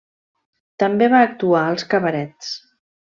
També va actuar als cabarets.